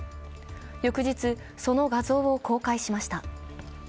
翌日、その画像を公開しました。